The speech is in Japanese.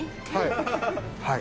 はい。